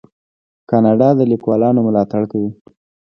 کاناډا د لیکوالانو ملاتړ کوي.